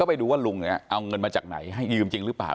ไปดูว่าลุงเนี่ยเอาเงินมาจากไหนให้ยืมจริงหรือเปล่า